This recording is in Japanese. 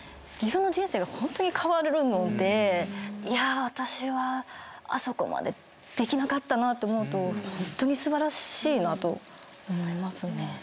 自分の人生がホントに変わるので私はあそこまでできなかったなと思うとホントに素晴らしいなと思いますね。